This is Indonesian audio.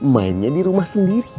mainnya di rumah sendiri